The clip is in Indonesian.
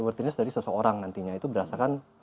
worthinness dari seseorang nantinya itu berdasarkan